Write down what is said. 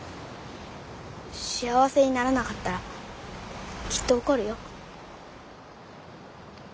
幸せにならなかったらきっと怒るよ。